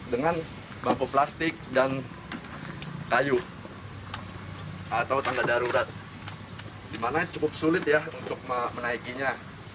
dengan bangku plastik dan kayu atau tangga darurat di mana cukup sulit ya untuk menaikinya